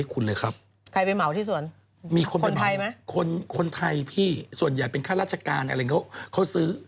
คนไทยพี่ส่วนใหญ่เป็นข้าราชการอะไรเขาซื้อ